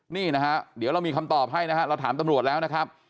นี่นะฮะเดี๋ยวเรามีคำตอบให้นะฮะเราถามตำรวจแล้วนะครับ